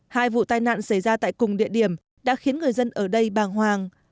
hai vụ tai nạn xảy ra tại cùng địa điểm đã khiến người dân ở đây bàng hoàng